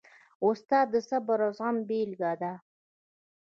استاد د صبر او زغم بېلګه ده.